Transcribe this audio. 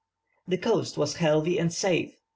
The coast was healthy and safe.